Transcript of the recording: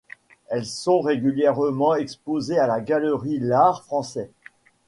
Elles sont régulièrement exposées à la Galerie L'Art français.